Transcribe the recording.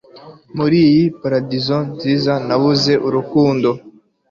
muri iyi paradizo nziza nabuze urukundo